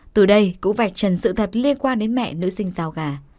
từ đây cũng vạch trần sự thật liên quan đến mẹ nữ sinh giao gà